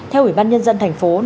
theo ủy ban nhân dân tp hà nội